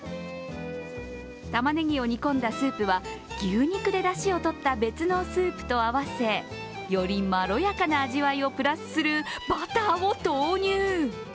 たまねぎを煮込んだスープは牛肉でだしをとった別のスーぷっと合わせ、よりまろやかな味わいをプラスするバターを投入。